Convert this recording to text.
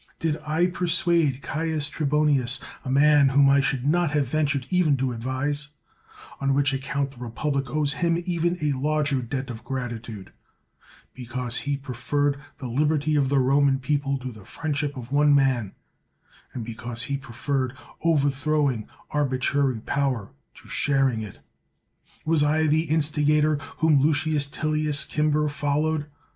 Did I persuade Caius Trebonius, a man whom I should not have ventured even to advise t On which account the republic owes him even a larger debt of gratitude, because he preferred the liberty of the Boman people to the friendship of one man, and because he preferred over throwing arbitrary power to sharing it. Was I the instigator whom Lucius Tillius Cimber fol lowed?